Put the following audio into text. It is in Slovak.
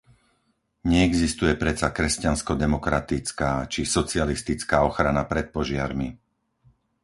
Neexistuje predsa kresťansko-demokratická či socialistická ochrana pred požiarmi!